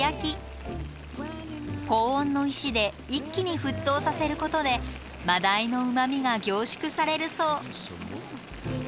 高温の石で一気に沸騰させることで真鯛のうまみが凝縮されるそう。